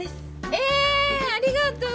えぇありがとう。